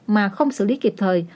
mà không xử lý kịp thời